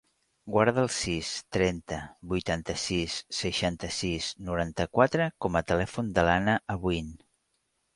Guarda el sis, trenta, vuitanta-sis, seixanta-sis, noranta-quatre com a telèfon de l'Anna Abuin.